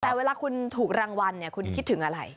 แต่เวลาคุณถูกรางวัลเนี่ยคุณคิดถึงอะไร